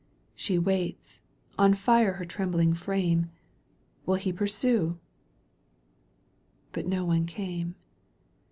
She waits, on fire her trembling frame — WiU he pursue ?— But no one came.